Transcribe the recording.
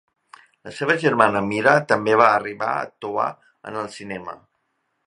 La seva germana Mira també va arribar a actuar en el cinema.